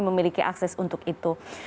memiliki akses untuk itu